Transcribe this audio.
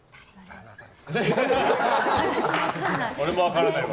俺も分からないわ。